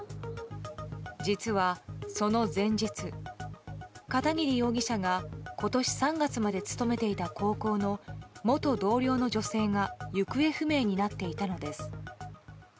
実はその前日、片桐容疑者が今年３月まで勤めていた高校の元同僚の女性が行方不明になっていたのです。